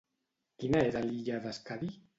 Quina era l'illa de Skadi?